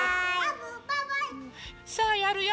さあやるよ。